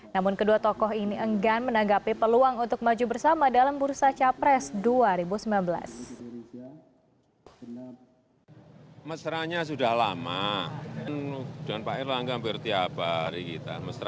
namun kedua tokoh ini enggan menanggapi peluang untuk maju bersama dalam bursa capres dua ribu sembilan belas